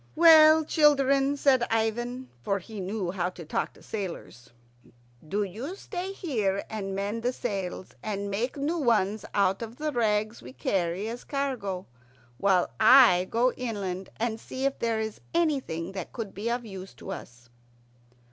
"Well, children," said Ivan, for he knew how to talk to sailors, "do you stay here and mend the sails, and make new ones out of the rags we carry as cargo, while I go inland and see if there is anything that could be of use to us."